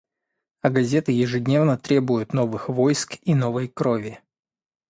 А газеты ежедневно требуют новых войск и новой крови.